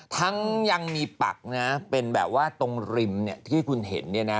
ทั้งยังมีปักนะเป็นแบบว่าตรงริมที่คุณเห็นเนี่ยนะ